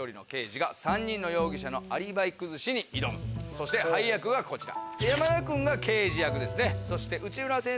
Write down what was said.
そして配役はこちら。